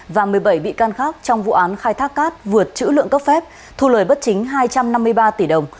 và một mươi bảy bị can khác trong vụ án khai thác cát vượt chữ lượng cấp phép thu lời bất chính hai trăm năm mươi ba tỷ đồng